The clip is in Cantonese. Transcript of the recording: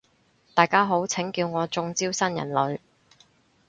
大家好，請叫我中招新人類